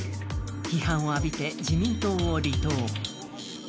批判を浴びて自民党を離党。